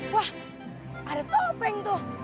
wah ada topeng tuh